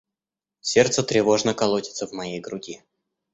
Сердце тревожно колотится в моей груди.